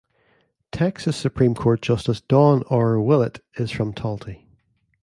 Texas Supreme Court Justice Don R. Willett is from Talty.